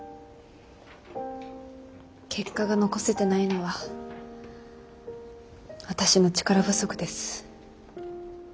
結果が残せてないのは私の力不足です。